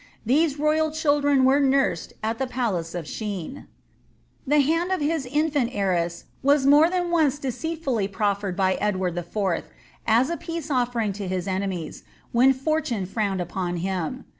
These royal children were nursed at the palace of Shene. The hand of his iniant heiress was more than once deceitfully prof fered by Edward IV. as a peace oflfering to his enemies, when fortune frowned upon him.